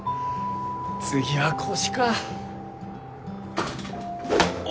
次は腰かあ。